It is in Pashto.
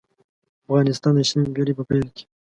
افغانستان د شلمې پېړۍ په پېل کې.